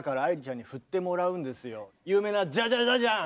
いやだから有名な「ジャジャジャジャン」！